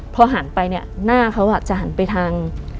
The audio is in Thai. พอหันไปเนี่ยหน้าเขาจะหันไปทาง